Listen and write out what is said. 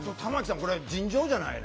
これ尋常じゃないね。